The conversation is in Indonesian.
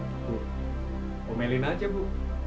bu mau mainin saja bu